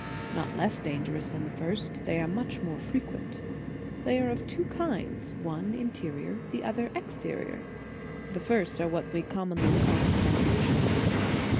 Not less dangerous than the first, they are much more frequent. They are of two kinds; one, interior; the other, exterior. The first are what we commonly call temptations.